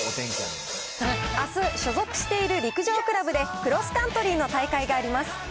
あす、所属している陸上クラブでクロスカントリーの大会があります。